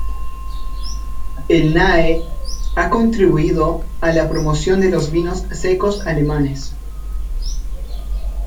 El Nahe ha contribuido a la promoción de los vinos secos alemanes.